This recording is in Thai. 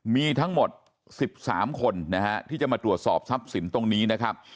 มีทั้งหมด๑๓คนนะฮะที่จะมาตรวจสอบทรัพย์สินตรงนี้นะครับ